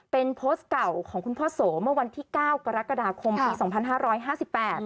เป็นโพสต์เก่าของคุณพ่อโสมันวันที่๙กรกฎาคมปี๒๕๕๘